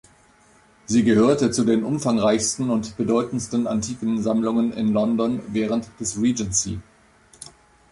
Sie gehörte zu den umfangreichsten und bedeutendsten antiken Sammlungen in London während des Regency.